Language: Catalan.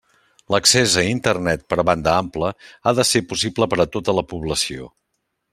L'accés a Internet per banda ampla ha de ser possible per a tota la població.